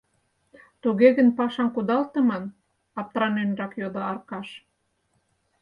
— Туге гын, пашам кудалтыман? — аптраненрак йодо Аркаш.